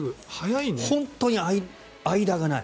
本当に間がない。